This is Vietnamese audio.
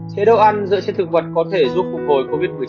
thế độ ăn dựa trên thực vật có thể giúp phục vụ covid một mươi chín